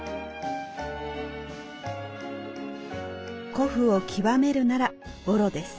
古布を極めるなら襤褸です。